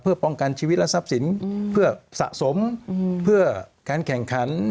เพื่อป้องกันชีวิตและทรัพย์สินเพื่อสะสมเพื่อการแข่งขัน